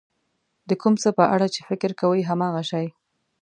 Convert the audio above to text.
د کوم څه په اړه چې فکر کوئ هماغه شی.